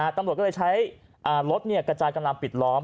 ตำรวจก็เลยใช้รถกระจายกำลังปิดล้อม